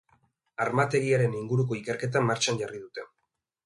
Armategiaren inguruko ikerketa martxan jarri dute.